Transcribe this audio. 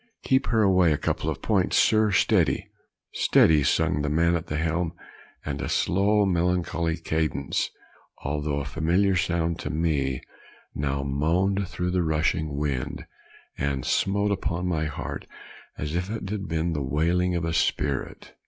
"Keep her away a couple of points, sir, steady." "Steady," sung the man at the helm; and a slow melancholy cadence, although a familiar sound to me, now moaned through the rushing wind, and smote upon my heart as if it had been the wailing of a spirit.